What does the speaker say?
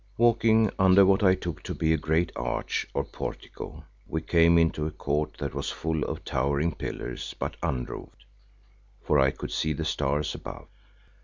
Walking under what I took to be a great arch or portico, we came into a court that was full of towering pillars but unroofed, for I could see the stars above.